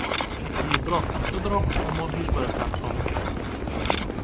Ik hie it drok, te drok om oan húswurk ta te kommen.